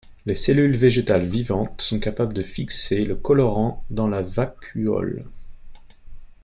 Les cellules végétales vivantes sont capables de fixer le colorant dans la vacuole.